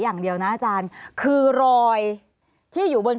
ภารกิจสรรค์ภารกิจสรรค์